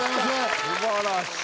素晴らしい。